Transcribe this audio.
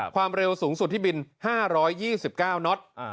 ความเร็วสูงสุดที่บิน๕๒๙น็อต